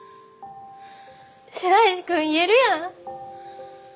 白石君言えるやん。